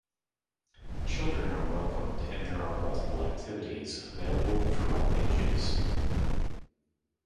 Children are welcomed and there are multiple activities available for all ages.